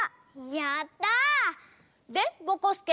やった！でぼこすけ